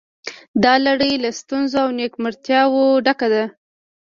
دا لړۍ له ستونزو او نیمګړتیاوو ډکه ده